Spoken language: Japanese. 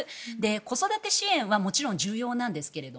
子育て支援はもちろん重要なんですけど